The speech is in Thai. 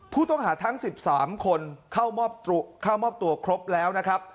ผู้ต้องหาทั้ง๑๓คนเข้ามอบตัวครบแล้วนะครับ